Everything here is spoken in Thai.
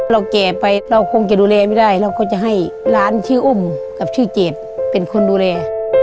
แก่ไปเราคงจะดูแลไม่ได้เราก็จะให้ร้านชื่ออุ้มกับชื่อเจดเป็นคนดูแล